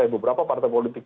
beberapa partai politik